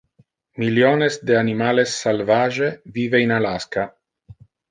Milliones de animales salvage vive in Alaska.